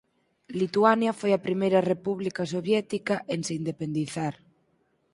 Lituania foi a primeira república soviética en se independizar.